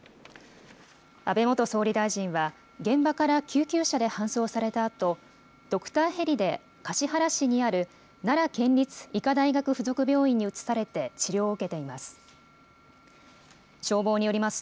安倍元総理大臣は、現場から救急車で搬送されたあと、ドクターヘリで、橿原市にある、奈良県立医科大学附属病院に移されて治療を受けています。